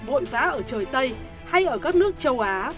vộn vã ở trời tây hay ở các nước châu á